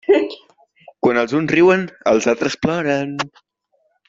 Quan els uns riuen, els altres ploren.